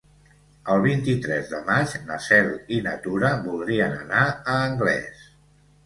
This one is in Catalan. El vint-i-tres de maig na Cel i na Tura voldrien anar a Anglès.